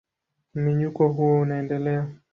Mmenyuko huo unaendelea.